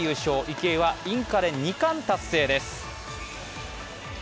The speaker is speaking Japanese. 池江はインカレ２冠達成です。